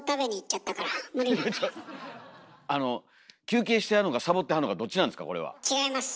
ちょっとあの休憩してはるのかサボってはるのかどっちなんですかこれは。違います！